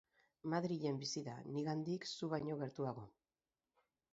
Madrilen bizi da, nigandik zu baino gertuago.